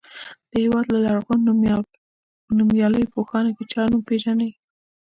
د هېواد له لرغونو نومیالیو پوهانو کې چا نوم پیژنئ.